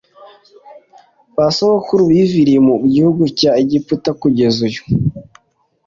ba sokuruza baviriye mu gihugu cya egiputa kugeza uyu